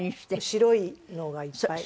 白いのがいっぱい。